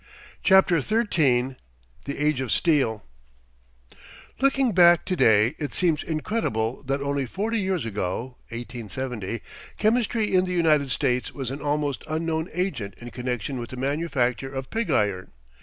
] CHAPTER XIII THE AGE OF STEEL Looking back to day it seems incredible that only forty years ago (1870) chemistry in the United States was an almost unknown agent in connection with the manufacture of pig iron.